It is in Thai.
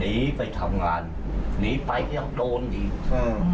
หยินไปทำงานหยินไปเกี่ยวโดนอีก